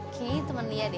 kini temen lia deh